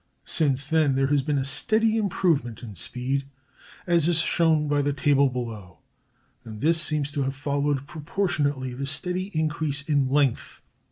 Since then there has been a steady improvement in speed, as is shown by the table below; and this seems to have followed proportionately the steady increase in length.